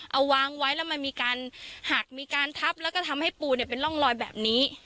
เอาวางไว้แล้วมันมีการหักมีการทับแล้วก็ทำให้ปูเป็นร่องรอยแบบนี้